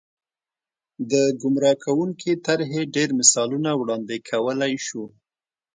د ګمراه کوونکې طرحې ډېر مثالونه وړاندې کولای شو.